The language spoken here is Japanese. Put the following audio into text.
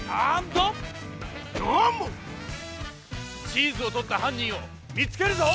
チーズをとったはんにんをみつけるぞ！